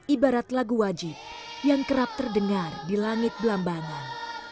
ibarat lagu wajib yang kerap terdengar di langit belambangan